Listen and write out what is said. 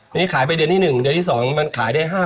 ทำไปเด็กนิดหนึ่งหยัดเดียวสองขายได้๕๐๐๐บาท